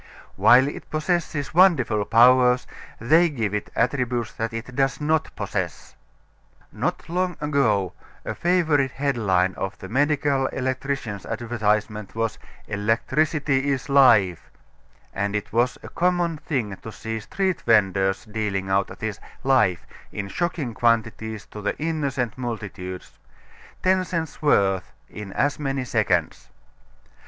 While it possesses wonderful powers, they give it attributes that it does not possess. Not long ago a favorite headline of the medical electrician's advertisement was "Electricity Is Life," and it was a common thing to see street venders dealing out this "life" in shocking quantities to the innocent multitudes ten cents' worth in as many seconds.